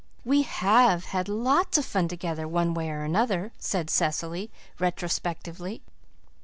"We HAVE had lots of fun together one way or another," said Cecily, retrospectively.